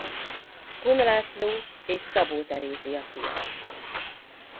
Kun László és Szabó Terézia fia.